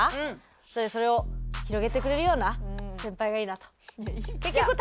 それでそれを広げてくれるような先輩がいいなと。